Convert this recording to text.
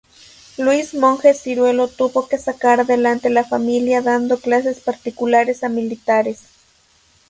Luis Monje Ciruelo tuvo que sacar adelante la familia dando clases particulares a militares.